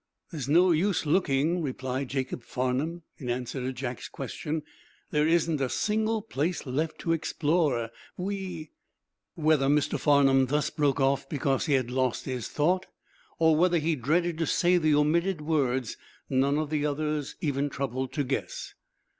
"There's no use looking," replied Jacob Farnum, in answer to Jack's question. "There isn't a single place left to explore. We " Whether Mr. Farnum thus broke off because he had lost his thought, or whether he dreaded to say the omitted words, none of the others even troubled to guess.